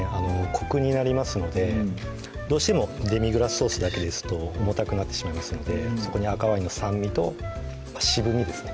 コクになりますのでどうしてもデミグラスソースだけですと重たくなってしまいますのでそこに赤ワインの酸味と渋みですね